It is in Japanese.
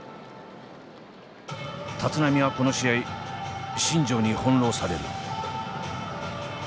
立浪はこの試合新庄に翻弄される。